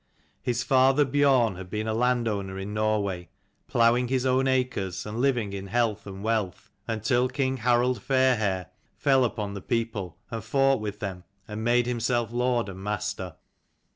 His father Biorn had had been a landholder in Nor way, ploughing his own acres, and living in health and wealth, until King Harald Fairhair fell upon the people, and fought with them and made himself lord and master.